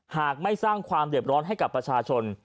หากไม่สร้างความเดือบร้อนให้กับประชาชน